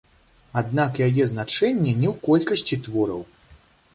Аднак яе значэнне не ў колькасці твораў.